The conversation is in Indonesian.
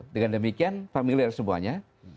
dengan demikian familiar semuanya